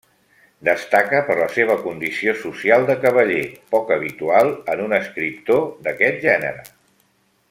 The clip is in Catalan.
Destaca per la seva condició social de cavaller, poc habitual en un escriptor d'aquest gènere.